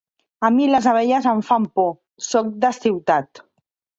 A mi les abelles em fan por; sóc de ciutat.